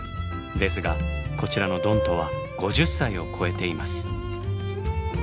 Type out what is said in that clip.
ですがこちらのドントは５０歳を超えています。